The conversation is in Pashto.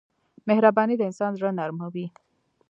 مهرباني د انسان زړه نرموي.